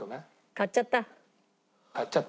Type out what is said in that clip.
買っちゃった。